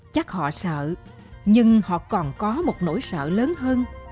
chắc họ sợ nhưng họ còn có một nỗi sợ lớn hơn